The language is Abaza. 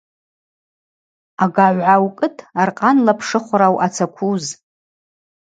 Агагӏв гӏаукӏытӏ аркъанла пшыхвра уъацаквуз.